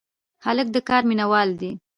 هلک د کار مینه وال دی.